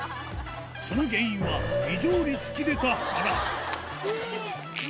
その原因は、異常に突き出た腹。